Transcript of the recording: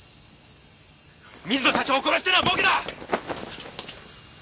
水野社長を殺したのは僕だ！